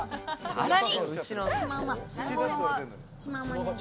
さらに。